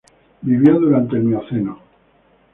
Vivió durante el Mioceno.